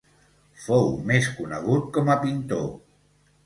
Fou més conegut com a pintor.